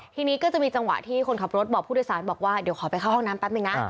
ทีนี้ก็จะมีจังหวะที่คนขับรถบอกผู้โดยสารบอกว่าเดี๋ยวขอไปเข้าห้องน้ำแป๊บนึงนะ